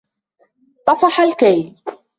طفح الكيل